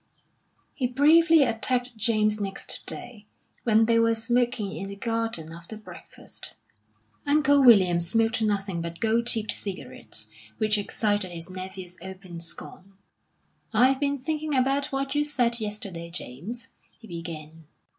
He bravely attacked James next day, when they were smoking in the garden after breakfast. Uncle William smoked nothing but gold tipped cigarettes, which excited his nephew's open scorn. "I've been thinking about what you said yesterday, James," he began.